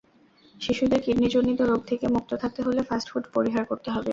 শিশুদের কিডনিজনিত রোগ থেকে মুক্ত থাকতে হলে ফাস্ট ফুড পরিহার করতে হবে।